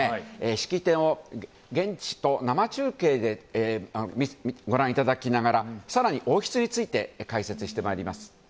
式典を現地と生中継でご覧いただきながら更に、王室について解説してまいります。